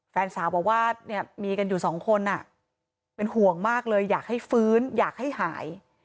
แฟนสาวบอกว่าเนี่ยมีกันอยู่สองคนเป็นห่วงมากเลยอยากให้ฟื้นอยากให้หาย